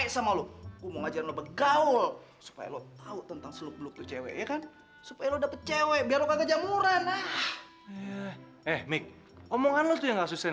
sampai jumpa di video selanjutnya